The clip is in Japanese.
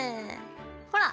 ほら！